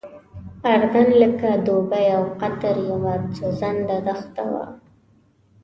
اردن لکه دوبۍ او قطر یوه سوځنده دښته وه.